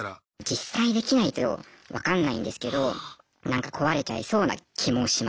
実際できないと分かんないんですけどなんか壊れちゃいそうな気もしますね。